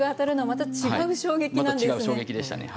また違う衝撃でしたね。